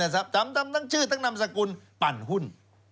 นั่นสิครับซ้ำตั้งชื่อตั้งนามสกุลปั่นหุ้น